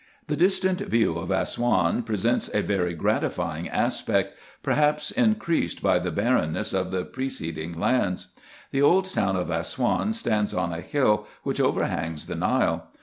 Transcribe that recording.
The distant view of Assouan presents a very gratifying aspect, perhaps increased by the barrenness of the preceding lands. The old town of Assouan stands on a hill, which overhangs the Nile.